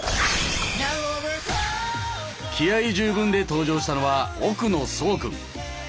気合い十分で登場したのは奥野壮君。